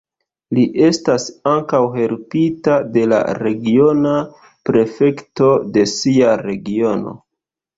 Li estas ankaŭ helpita de la regiona prefekto de sia regiono.